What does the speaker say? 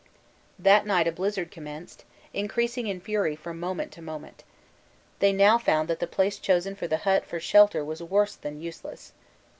That night a blizzard commenced, increasing in fury from moment to moment. They now found that the place chosen for the hut for shelter was worse than useless.